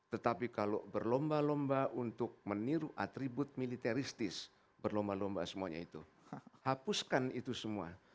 tetapi kalau berlomba lomba untuk meniru atribut militeristis berlomba lomba semuanya itu hapuskan itu semua